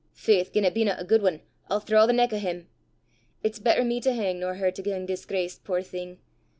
Faith, gien it bena a guid ane, I'll thraw the neck o' 'im! It's better me to hang, nor her to gang disgraced, puir thing!